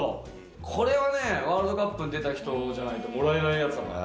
これはね、ワールドカップに出た人じゃないともらえないやつ。